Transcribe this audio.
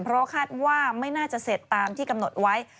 เพราะคาดว่าไม่น่าจะเสร็จตามที่กำหนดไว้